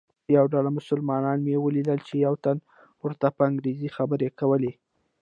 یوه ډله مسلمانان مې ولیدل چې یوه تن ورته په انګریزي خبرې کولې.